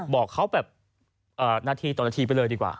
บอกเขาแบบนาทีต่อนาทีไปเลยดีกว่า